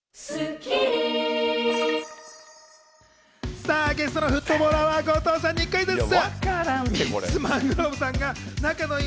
さぁゲストのフットボールアワー・後藤さんにクイズッス。